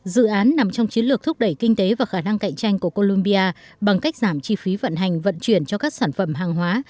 dự án nằm trong chiến lược thúc đẩy kinh tế và khả năng cạnh tranh của colombia bằng cách giảm chi phí vận hành vận chuyển cho các sản phẩm hàng hóa